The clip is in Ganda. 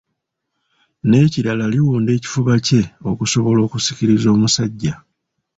N'ekirala liwunda ekifuba kye okusobola okusikiriza omusajja.